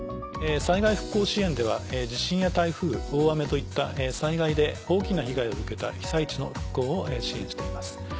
災害復興支援では地震や台風大雨といった災害で大きな被害を受けた被災地の復興を支援しています。